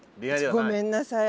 ごめんなさい。